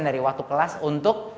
dari waktu kelas untuk